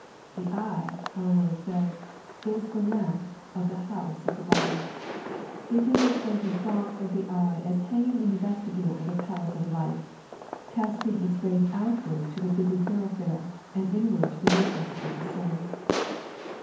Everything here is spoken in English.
The eye, our Lord says, is the lamp of the house of the body. It is as though He thought of the eye as hanging in the vestibule of the palace of life, casting its rays outwards to the busy thoroughfai>e, and inward to the e of the soul.